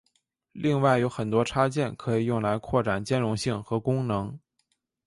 另外有很多插件可以用来扩展兼容性和功能。